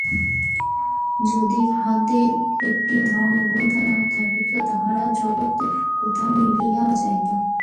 যদি তাহাদের একটি ধর্মগ্রন্থ না থাকিত, তাহারা জগতে কোথায় মিলাইয়া যাইত।